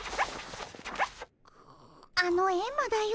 あのエンマ大王